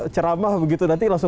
ceramah begitu nanti langsung